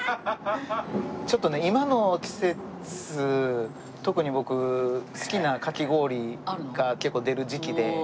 ちょっとね今の季節特に僕好きなかき氷が結構出る時期で。